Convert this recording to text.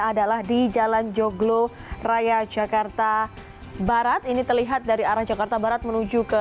adalah di jalan joglo raya jakarta barat ini terlihat dari arah jakarta barat menuju ke